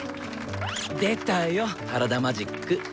出たよ原田マジック。